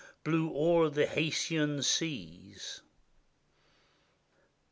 Blew o'er the Haytian seas.